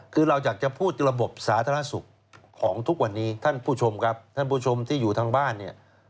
คือเราอยากจะพูดระบบสาธารณสุขของทุกวันนี้ท่านผู้ชมที่อยู่ทางบ้าน